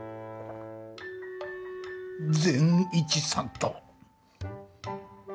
善一さんと。